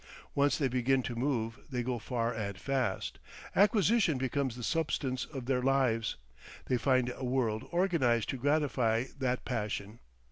Once they begin to move they go far and fast. Acquisition becomes the substance of their lives. They find a world organised to gratify that passion.